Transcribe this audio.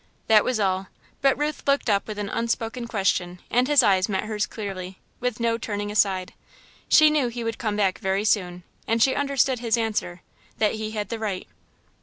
That was all, but Ruth looked up with an unspoken question and his eyes met hers clearly, with no turning aside. She knew he would come back very soon and she understood his answer that he had the right.